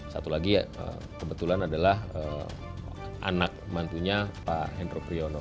satu lagi kebetulan adalah anak mantunya pak hendro priyono